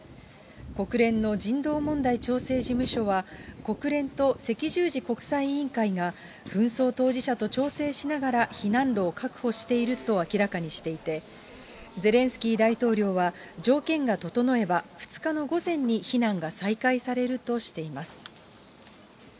国連の人道問題調整事務所は、国連と赤十字国際委員会が、紛争当事者と調整しながら避難路を確保していると明らかにしていて、ゼレンスキー大統領は、条件が整えば、２日の午前に避難が再開されるとしています。